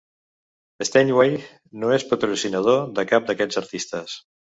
Steinway no és patrocinador de cap d'aquests artistes.